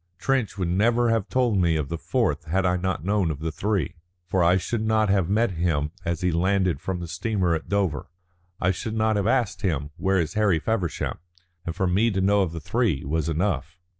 Trench would never have told me of the fourth had I not known of the three. For I should not have met him as he landed from the steamer at Dover. I should not have asked him, 'Where is Harry Feversham?' And for me to know of the three was enough."